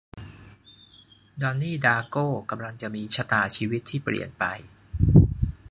ดอนนี่ ดาร์โก้ กำลังจะมีชะตาชีวิตที่เปลี่ยนไป